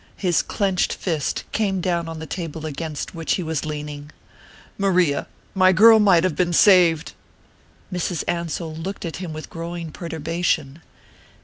His clenched fist came down on the table against which he was leaning. "Maria, my girl might have been saved!" Mrs. Ansell looked at him with growing perturbation.